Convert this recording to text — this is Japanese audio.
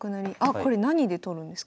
これ何で取るんですか？